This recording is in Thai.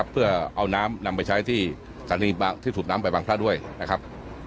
เพื่อเอาน้ำนำไปใช้ที่สถานีบางที่สูบน้ำไปบางพระด้วยนะครับ